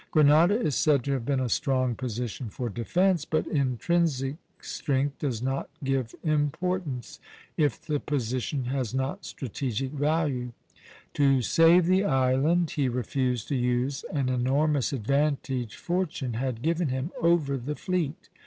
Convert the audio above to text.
Grenada is said to have been a strong position for defence; but intrinsic strength does not give importance, if the position has not strategic value. To save the island, he refused to use an enormous advantage fortune had given him over the fleet.